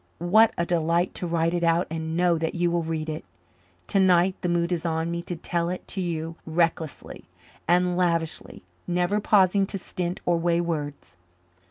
What a delight to write it out and know that you will read it. Tonight the mood is on me to tell it to you recklessly and lavishly, never pausing to stint or weigh words.